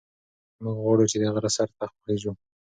موږ غواړو چې د غره سر ته وخېژو.